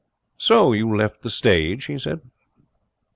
'So you left the stage?' he said.